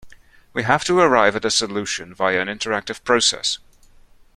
We have to arrive at a solution via an interactive process.